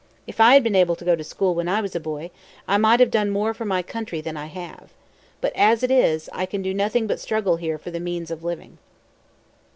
If I had been able to go to school when I was a boy, I might have done more for my country than I have. But as it is, I can do nothing but struggle here for the means of living."